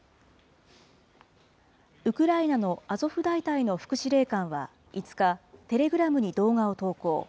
ウクライナのアゾフ大隊の副司令官は５日、テレグラムに動画を投稿。